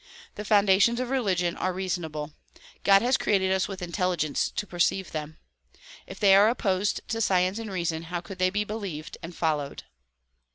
The foundations of religion are reasonable. God has created us with intelligence to perceive them. If they are opposed to science and reason how could they be believed and followed?